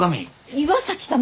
岩崎様！？